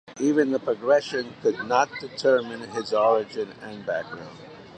Even the Progressors could not determine his origin and background.